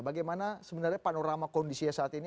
bagaimana sebenarnya panorama kondisinya saat ini